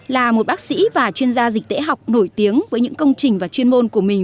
là một bác sĩ và chuyên gia dịch tễ học nổi tiếng với những công trình và chuyên môn của mình